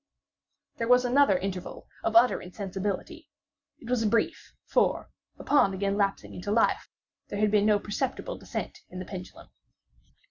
There was another interval of utter insensibility; it was brief; for, upon again lapsing into life there had been no perceptible descent in the pendulum.